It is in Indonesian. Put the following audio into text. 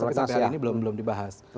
tapi dpr ini belum dibahas